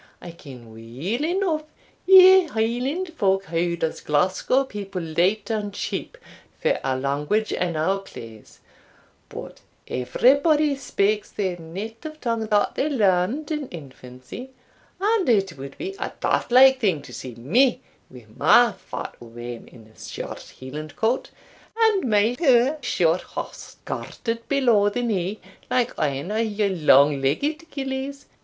I ken weel eneugh you Hieland folk haud us Glasgow people light and cheap for our language and our claes; but everybody speaks their native tongue that they learned in infancy; and it would be a daft like thing to see me wi' my fat wame in a short Hieland coat, and my puir short houghs gartered below the knee, like ane o' your lang legged gillies.